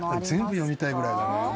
全部読みたいぐらいだね